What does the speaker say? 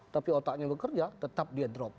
tapi otaknya bekerja tetap dia drop